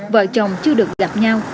vợ chồng chưa được gặp nhau